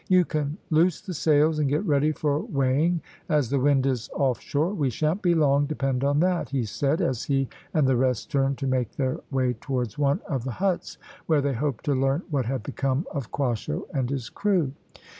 "You can loose the sails and get ready for weighing as the wind is off shore. We shan't be long, depend on that," he said, as he and the rest turned to make their way towards one of the huts, where they hoped to learn what had become of Quasho and his crew.